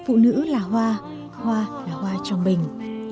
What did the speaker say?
phụ nữ là hoa hoa là hoa trong bình